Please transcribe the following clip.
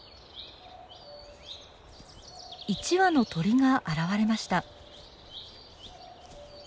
１羽の鳥が現れました。